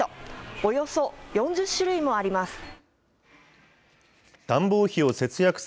およそ４０種類もあります。